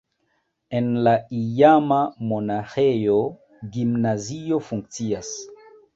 En la iama monaĥejo gimnazio funkcias.